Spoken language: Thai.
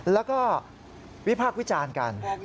แล้วก็วิพากษ์วิจารณ์กัน